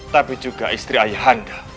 tapi juga istri ayah anda